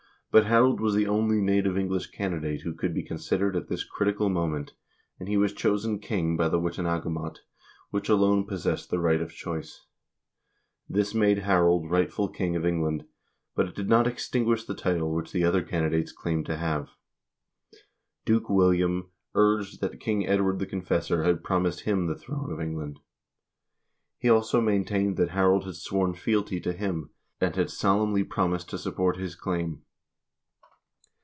But Harold was the only native English candidate who could be considered at this critical moment, and he was chosen king by the Witenagemot, which alone possessed the right of choice. This made Harold rightful king of England, but it did not extinguish the title which the other candi dates claimed to have. Duke William urged that King Edward the Confessor had promised him the throne of England. He also maintained that Harold had sworn fealty to him, and had solemnly promised to support his claim.